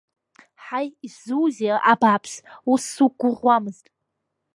Ҳаи, исзузеи, абааԥсы, ус суқәгәыӷуамызт!